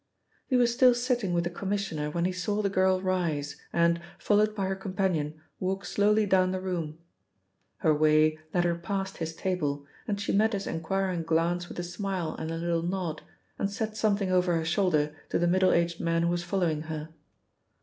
He was still sitting with the Commissioner when he saw the girl rise and, followed by her companion, walk slowly down the room. Her way led her past his table, and she met his enquiring glance with a smile and a little nod, and said something over her shoulder to the middle aged man who was following her.